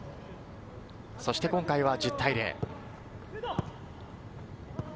そして今回は１０対０。